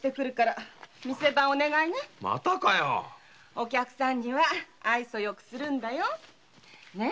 お客さんには愛想よくするんだよ。